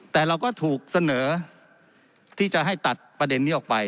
แต่เราก็ถูกเสนอที่จะให้ตัดประเด็นนี้ออกไป